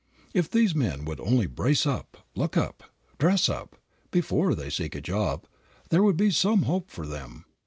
If these men would only brace up, look up, dress up, before they seek a job, there would be some hope for them.